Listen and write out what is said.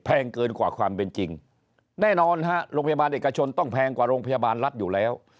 เกินกว่าความเป็นจริงแน่นอนฮะโรงพยาบาลเอกชนต้องแพงกว่าโรงพยาบาลรัฐอยู่แล้ว